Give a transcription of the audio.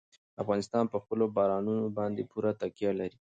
افغانستان په خپلو بارانونو باندې پوره تکیه لري.